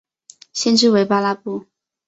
县治为巴拉布。